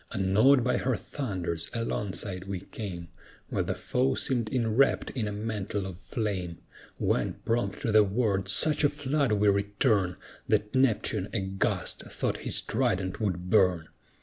Unawed by her thunders, alongside we came, While the foe seemed enwrapped in a mantle of flame; When, prompt to the word, such a flood we return, That Neptune, aghast, thought his trident would burn.